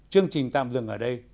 chương trình tạm dừng ở đây